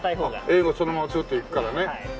英語そのままツーッといくからね。